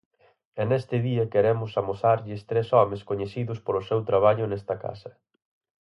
E neste día queremos amosarlles tres homes coñecidos polo seu traballo nesta casa.